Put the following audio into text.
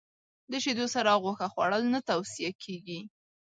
د شیدو سره غوښه خوړل نه توصیه کېږي.